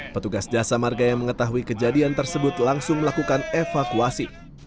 petugas jasa marga yang mengetahui kejadian tersebut langsung melakukan evakuasi